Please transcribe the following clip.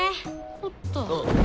おっと。